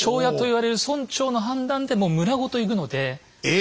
え！